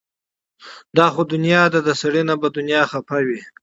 دا خو دنيا ده د سړي نه به دنيا خفه وي